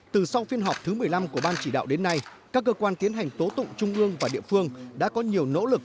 từ sau phiên họp thứ một mươi năm của ban chỉ đạo đến nay các cơ quan tiến hành tố tụng trung ương và địa phương đã có nhiều nỗ lực